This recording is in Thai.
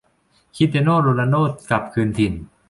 คริสเตียโน่ โรนัลโด้ กลับคืนถิ่น